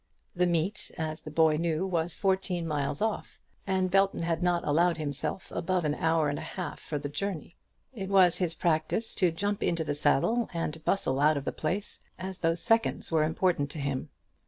The meet, as the boy knew, was fourteen miles off, and Belton had not allowed himself above an hour and a half for the journey. It was his practice to jump into the saddle and bustle out of the place, as though seconds were important to him.